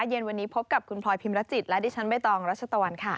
เย็นวันนี้พบกับคุณพลอยพิมรจิตและดิฉันใบตองรัชตะวันค่ะ